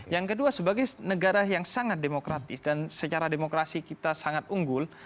yang kedua sebagai negara yang sangat demokratis dan secara demokrasi kita sangat unggul